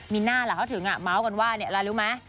มีหน้าเหล่าถึงอ่ะม้าวก่อนว่าเนี่ยอะไรรู้ไหม